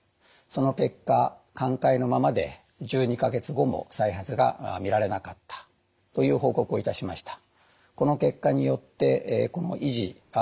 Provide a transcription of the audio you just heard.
その結果寛解のままで１２か月後も再発が見られなかったという報告をいたしました。